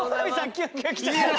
キュンキュンきちゃってる。